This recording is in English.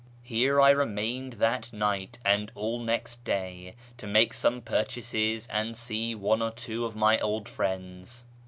Here I remained that night and all next day to make some purchases and see one or two of my old friends.